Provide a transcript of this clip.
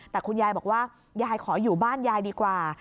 แต่คุณยายบอกว่ายายขออยู่บ้านยายดีกว่า